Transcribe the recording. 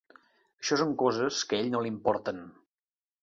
Això són coses que a ell no li importen.